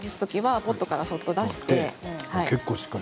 ポットからそっと出して。